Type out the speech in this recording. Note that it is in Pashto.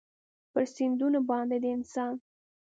پر سیندونو باندې د انسان